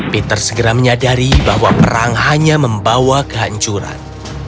peter segera menyadari bahwa perang hanya membawa kehancuran